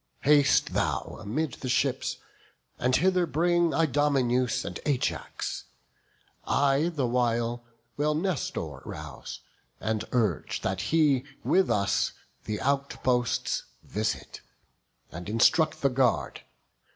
Haste thou amid the ships, and hither bring Idomeneus and Ajax; I the while Will Nestor rouse, and urge that he with us The outposts visit, and instruct the guard.